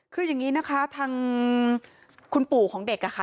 คืออย่างนี้นะคะทางคุณปู่ของเด็กค่ะ